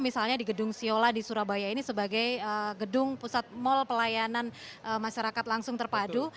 misalnya di gedung siola di surabaya ini sebagai gedung pusat mall pelayanan masyarakat langsung terpadu